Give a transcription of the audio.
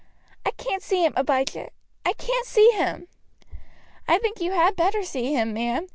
"I can't see him, Abijah. I can't see him." "I think you had better see him, ma'am.